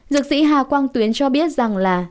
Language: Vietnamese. dược sĩ hà quang tuyến cho biết rằng là